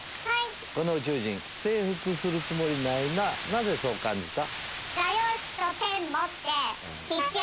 この宇宙人征服するつもりないななぜそう感じた？